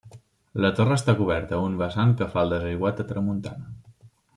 La torre està coberta a un vessant que fa el desaiguat a tramuntana.